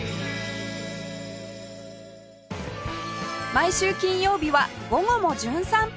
毎週金曜日は『午後もじゅん散歩』